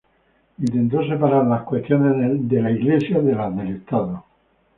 Intentó separar las cuestiones de la Iglesia de las del Estado.